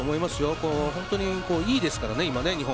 今、本当にいいですからね日本。